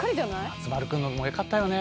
松丸くんのもよかったよね。